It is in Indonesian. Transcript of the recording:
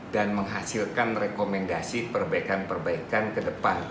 dan menghasilkan rekomendasi perbaikan perbaikan ke depan